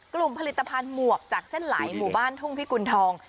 กลุ่มผลิตภัณฑ์หมวกจากเส้นไหลหมู่บ้านทุ่งพิกุณฑอง